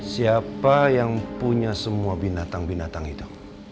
siapa yang punya semua binatang binatang itu